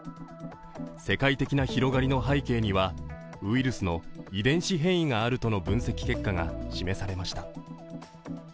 世界的な広がりの背景にはウイルスの遺伝子変異があるとの分析結果が示されました。